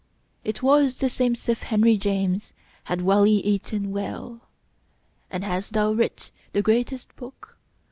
It was the same'sif henryjames Had wally eaton well. "And hast thou writ the greatest book?